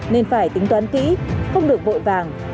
nên phải tính toán kỹ không được vội vàng